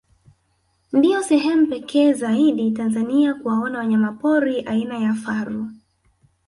Ndio sehemu pekee zaidi Tanzania kuwaona wanyamapori aina ya faru